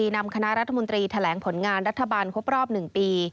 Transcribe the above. นำคณะรัฐมนตรีแถลงผลงานรัฐบาลครบรอบ๑ปี